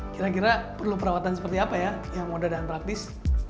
kira kira perlu perawatan seperti apa ya yang mudah dan praktis